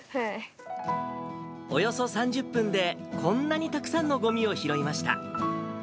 およそ３０分で、こんなにたくさんのごみを拾いました。